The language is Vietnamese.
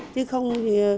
thế không thì